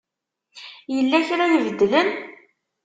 Yella kra ibeddlen?